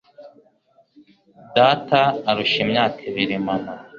Data arusha imyaka ibiri mama.